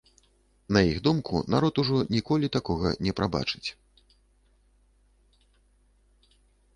На іх думку, народ ужо ніколі такога не прабачыць.